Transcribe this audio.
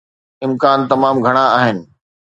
امڪان تمام گهڻا آهن.